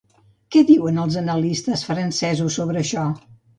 Què diuen els analistes francesos sobre això?